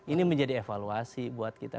ini menjadi evaluasi buat kita